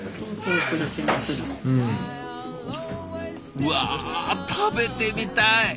うわ食べてみたい。